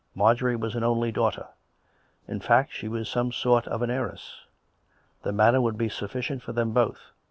Marjorie was an only daughter; in fact, she was in somp sort an heiress. The Manor would be sufficient for them both.